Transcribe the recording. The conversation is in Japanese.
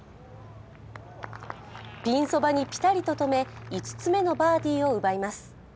ピンそばにぴたりと止め５つ目のバーディーを奪います。